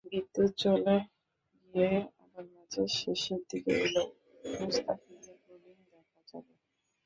বিদ্যুৎ চলে গিয়ে আবার ম্যাচের শেষের দিকে এলেও মুস্তাফিজের বোলিং দেখা যাবে।